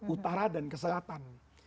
utara dan keselatan